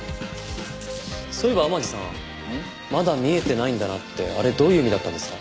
そういえば天樹さん「まだ見えてないんだな」ってあれどういう意味だったんですか？